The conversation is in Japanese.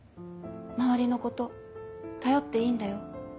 周りのこと頼っていいんだよ。